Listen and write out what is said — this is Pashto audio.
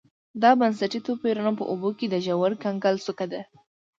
دا بنسټي توپیرونه په اوبو کې د ژور کنګل څوکه ده